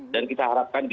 dan kita harapkan di